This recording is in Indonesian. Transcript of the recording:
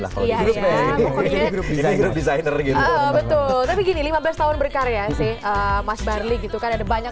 lah kalau grup grup designer gitu betul begini lima belas tahun berkarya sih mas barli gitu kan ada banyak